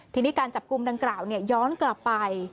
ทีนี้การจับกลุ่มดังกล่าวย้อนกลับไป